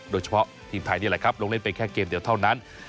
โดยเฉพาะทีมไทยนี่แหละครับลงเล่นไปแค่เกมเดียวเท่านั้น